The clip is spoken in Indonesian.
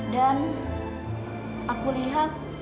dan aku lihat